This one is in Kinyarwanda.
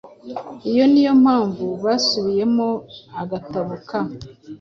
Iyi niyo mpamvu basubiyemo agatabo ka ‘